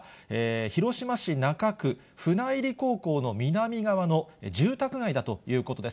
広島市中区、ふないり高校の南側の住宅街だということです。